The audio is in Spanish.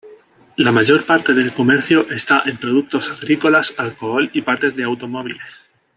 La mayor parte del comercio está en productos agrícolas, alcohol y partes de automóviles.